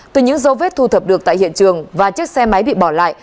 từ những dấu vết thu thập được tại hiện trường và chiếc xe máy bị bỏ lại